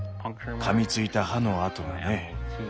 かみついた歯の跡がね。